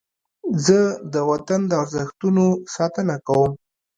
زه د وطن د ارزښتونو ساتنه کوم.